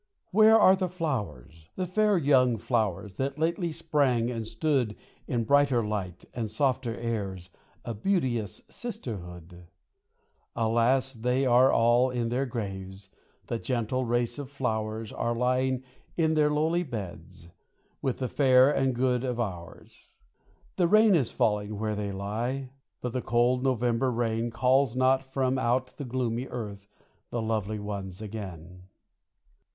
Where are the flowers, the fair young flowers, that lately sprang and stood In brighter light, and softer airs, a beauteous sisterhood? Alas! they all are in their graves, the gentle race of flowers Are lying in their lowly beds, with the fair and good of ours. The rain is falling where they lie, but the cold November rain Calls not from out the gloomy earth the lovely ones again.